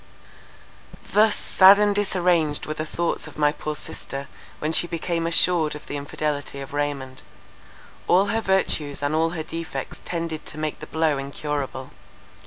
Thus sad and disarranged were the thoughts of my poor sister, when she became assured of the infidelity of Raymond. All her virtues and all her defects tended to make the blow incurable.